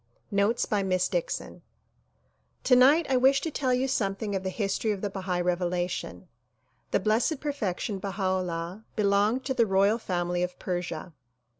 Notes by Miss Dixon TONIGHT I wish to tell you something of the history of the Bahai Revelation. The Blessed Perfection Baha 'Ullah belonged to the royal family of Persia.